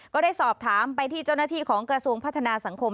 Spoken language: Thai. ก็ได้สอบถามไปที่เจ้าหน้าที่ของกระทรวงพัฒนาสังคม